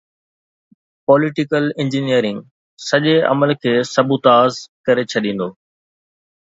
Political engineering' سڄي عمل کي سبوتاز ڪري ڇڏيندو.